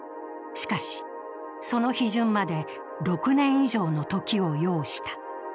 しかし、その批准まで６年以上の時を要した。